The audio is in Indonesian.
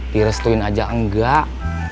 direstuin aja enggak